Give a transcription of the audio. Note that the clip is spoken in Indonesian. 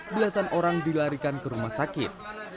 belasan orang dilarikan ke rumah sakit